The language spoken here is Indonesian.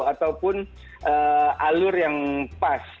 ataupun alur yang pas